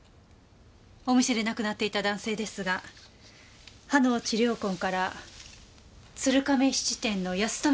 お店で亡くなっていた男性ですが歯の治療痕から鶴亀質店の保富社長だと判明しました。